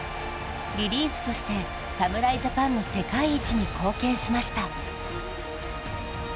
リリーフとして侍ジャパンの世界一に貢献しました。